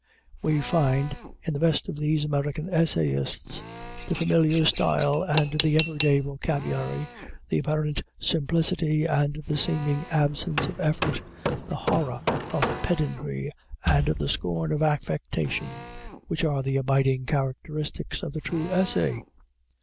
We find in the best of these American essayists the familiar style and the everyday vocabulary, the apparent simplicity and the seeming absence of effort, the horror of pedantry and the scorn of affectation, which are the abiding characteristics of the true essay.